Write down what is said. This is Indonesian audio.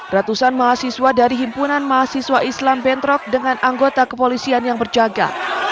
ratusan mahasiswa dari himpunan mahasiswa islam bentrok dengan anggota kepolisian yang berjaga